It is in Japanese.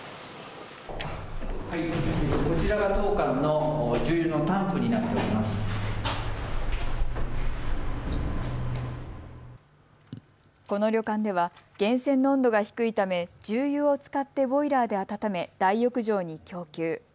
この旅館では源泉の温度が低いため重油を使ってボイラーで温め大浴場に供給。